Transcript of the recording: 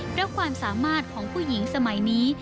เพราะความสามารถของผู้หญิงสมัยนี้